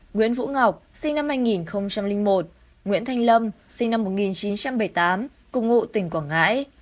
nguyễn vũ ngọc sinh năm hai nghìn một nguyễn thanh lâm sinh năm một nghìn chín trăm bảy mươi tám cùng ngụ tỉnh quảng ngãi